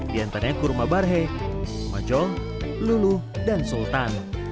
di antaranya kurma barhe kurma jong lulu dan sultan